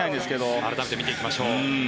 改めて見ていきましょう。